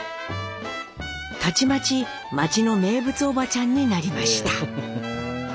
たちまち町の名物おばちゃんになりました。